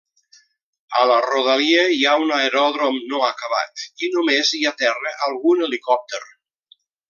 A la rodalia hi ha un aeròdrom no acabat, i només hi aterra algun helicòpter.